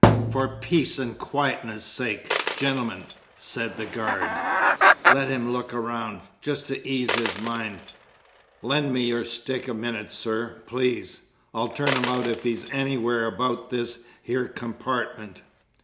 "For peace and quietness sake, gentlemen," said the guard, "let him look round, just to ease his mind. Lend me your stick a minute, sir, please. I'll turn him out if he's anywhere about this here compartment!"